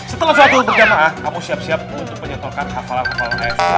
setelah selatu berjamaah kamu siap siap untuk penyetelkan hafal hafal